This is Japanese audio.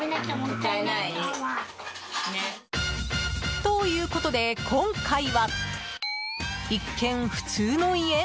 ということで今回は一見、普通の家？